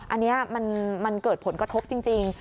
อันนี้มันเกิดผลกระทบจริง